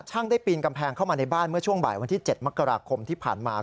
ได้ปีนกำแพงเข้ามาในบ้านเมื่อช่วงบ่ายวันที่๗มกราคมที่ผ่านมา